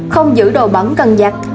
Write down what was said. không giữ đồ bẩn cần giặt